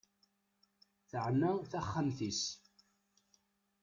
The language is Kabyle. Teɛna taxxmat-is.